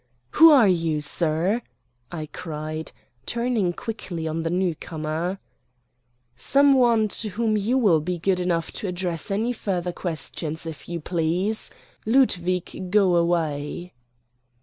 "Who are you, sir?" I cried, turning quickly on the newcomer. "Some one to whom you will be good enough to address any further questions, if you please. Ludwig, go away."